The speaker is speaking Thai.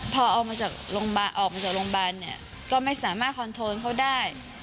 พอออกมาจากโรงพยาบาลก็ไม่สามารถคอนโทรนเขาได้